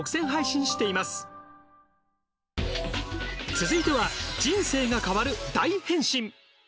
続いては人生が変わる大変身。